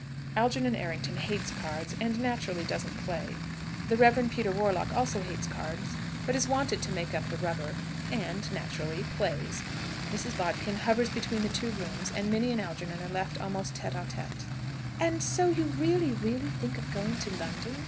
Algernon Errington hates cards, and naturally doesn't play. The Rev. Peter Warlock also hates cards, but is wanted to make up the rubber, and naturally plays. Mrs. Bodkin hovers between the two rooms, and Minnie and Algernon are left almost tête à tête. "And so you really, really think of going to London?"